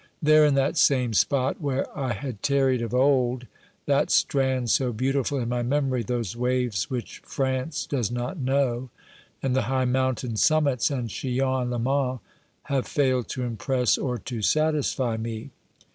There in that same spot where I had tarried of old, that strand so beautiful in my memory, those waves which France does not know, and the high mountain summits and Chillon and Leman, have failed to impress or to satisfy me.